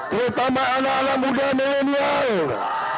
terutama anak anak muda milenial